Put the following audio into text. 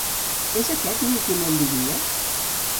És aquest últim on vivia?